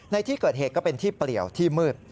ในที่เกิดเหตุก็เป็นที่เปลี่ยวที่มืด